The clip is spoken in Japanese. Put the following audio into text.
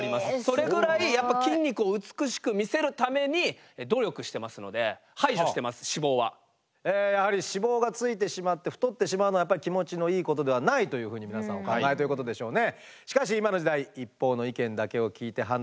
それぐらいやっぱり筋肉を美しく見せるために努力してますのでやはり脂肪がついてしまって太ってしまうのは気持ちのいいことではないというふうに皆さんお考えということでしょうね。